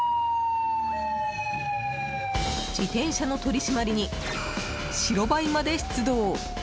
自転車の取り締まりに白バイまで出動。